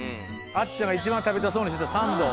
あっちゃんが一番食べたそうにしてたサンド。